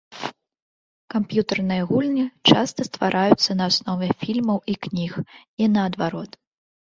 Камп'ютарныя гульні часта ствараюцца на аснове фільмаў і кніг, і наадварот.